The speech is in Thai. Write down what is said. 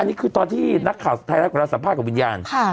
อันนี้คือตอนที่นักข่าวไทยรัฐของเราสัมภาษณ์กับวิญญาณ